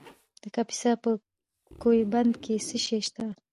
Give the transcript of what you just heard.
د کاپیسا په کوه بند کې څه شی شته؟